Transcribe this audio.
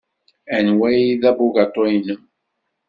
Anwa ay d abugaṭu-nnem?